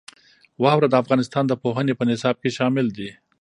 واوره د افغانستان د پوهنې په نصاب کې شامل دي.